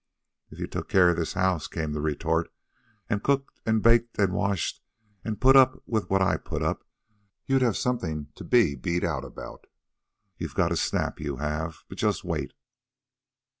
"If you took care of this house," came the retort, "an' cooked an' baked, an' washed, an' put up with what I put up, you'd have something to be beat out about. You've got a snap, you have. But just wait."